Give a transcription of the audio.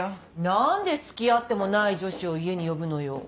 何で付き合ってもない女子を家に呼ぶのよ。